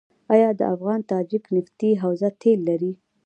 آیا د افغان تاجک نفتي حوزه تیل لري؟